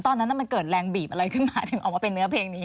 ตอนนั้นมันเกิดแรงบีบอะไรขึ้นมาถึงออกมาเป็นเนื้อเพลงนี้